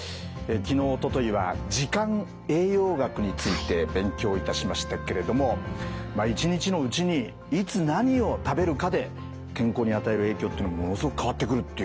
昨日おとといは時間栄養学について勉強いたしましたけれどもまあ一日のうちにいつ何を食べるかで健康に与える影響というのものすごく変わってくるっていうことなんですよね。